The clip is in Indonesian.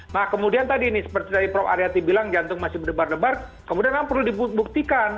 nah kemudian tadi ini seperti tadi prof aryati bilang jantung masih berdebar debar kemudian kan perlu dibuktikan